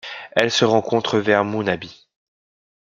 Elle se rencontre vers Moonabie.